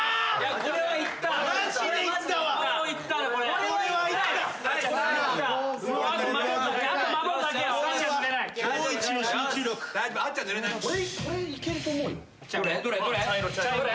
これいけると思うよ。